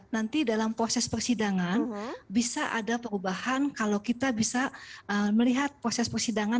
nanti dalam proses persidangan bisa ada perubahan kalau kita bisa melihat proses persidangan